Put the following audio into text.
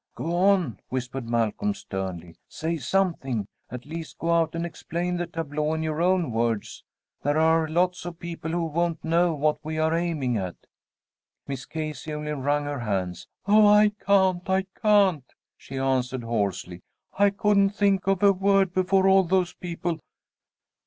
"Go on!" whispered Malcolm, sternly. "Say something. At least go out and explain the tableau in your own words. There are lots of people who won't know what we are aiming at." Miss Casey only wrung her hands. "Oh, I can't! I can't!" she answered, hoarsely. "I couldn't think of a word before all those people!"